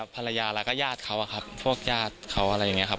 ภรรยาแล้วก็ญาติเขาอะครับพวกญาติเขาอะไรอย่างนี้ครับ